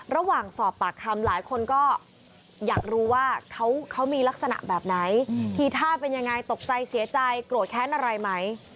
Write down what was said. ระหว่างสอบปากคำหลายคนก็อยากรู้ว่าเขามีลักษณะแบบไหนทีท่าเป็นยังไงตกใจเสียใจโกรธแค้นอะไรไหม